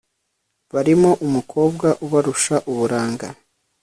barimo umukobwa ubarusha uburanga